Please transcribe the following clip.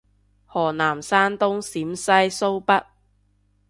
河南山東陝西蘇北